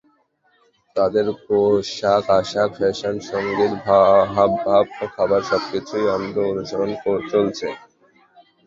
তাদের পোশাক আশাক, ফ্যাশন, সংগীত, হাব ভাব, খাবার সবকিছুর অন্ধ অনুকরণ চলছে।